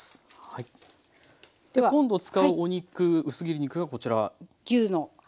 今度使うお肉薄切り肉がこちら。